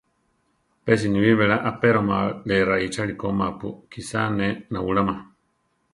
Pe sinibí belá a apéroma alé raʼíchali ko ma-pu kisá ne náulama.